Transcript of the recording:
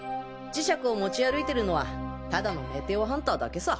磁石を持ち歩いてるのはただのメテオハンターだけさ！